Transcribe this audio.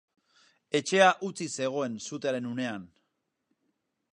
Etxea hutsik zegoen sutearen unean.